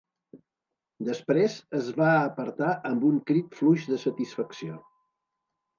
Després, es va apartar amb un crit fluix de satisfacció.